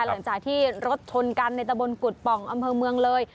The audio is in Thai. หลังจากที่รถชนกันในตะบนกุฎป่องอำเภอเมืองเลย